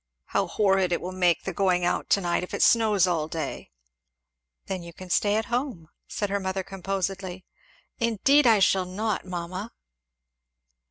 "How horrid it will make the going out to night, if it snows all day!" "Then you can stay at home," said her mother composedly. "Indeed I shall not, mamma!"